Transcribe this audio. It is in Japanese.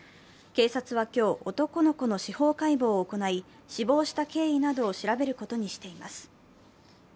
警察は今日、男の子の司法解剖を行い、死亡した経緯などを調べることにしています。